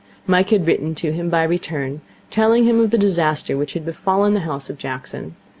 Mike had written to him by return, telling him of the disaster which had befallen the house of Jackson.